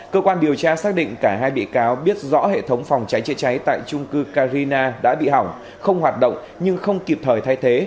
cơ quan điều tra xác định cả hai bị cáo biết rõ hệ thống phòng cháy chữa cháy tại trung cư carina đã bị hỏng không hoạt động nhưng không kịp thời thay thế